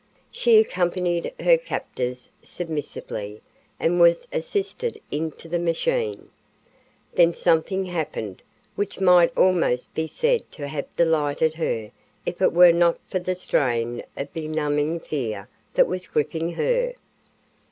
She accompanied her captors submissively and was assisted into the machine. Then something happened which might almost be said to have delighted her if it were not for the strain of benumbing fear that was gripping her.